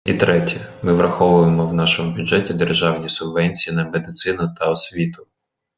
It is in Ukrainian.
І третє, ми враховуємо в нашому бюджеті державні субвенції на медицину та на освіту.